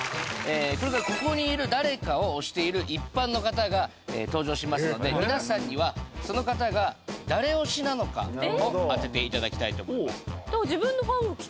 これからここにいる誰かを推している一般の方が登場しますので皆さんにはその方が誰推しなのかを当てていただきたいと思いますそうです